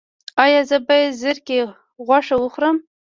ایا زه باید د زرکې غوښه وخورم؟